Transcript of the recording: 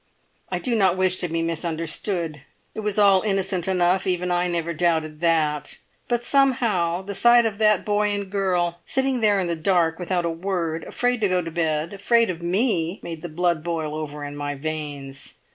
I do not wish to be misunderstood. It was all innocent enough, even I never doubted that. But somehow the sight of that boy and girl, sitting there in the dark without a word, afraid to go to bed—afraid of me—made the blood boil over in my veins.